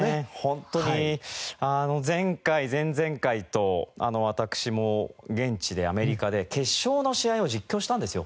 本当に前回前々回と私も現地でアメリカで決勝の試合を実況したんですよ。